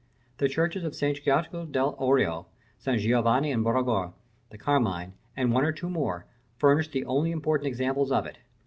The churches of San Giacopo dell'Orio, San Giovanni in Bragora, the Carmine, and one or two more, furnish the only important examples of it.